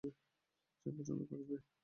সে পছন্দ করবে।